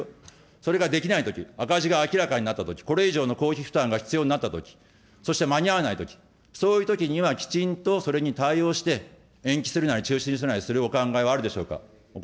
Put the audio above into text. それができないとき、赤字が明らかになったとき、これ以上の公費負担が必要になったとき、そして間に合わないとき、そういうときにはきちんとそれに対応して、延期するなり、中止にするなり、するお考えはあるでしょうか。